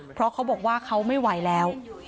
เพราะเขาบอกว่าเขาไม่ไหวแล้ว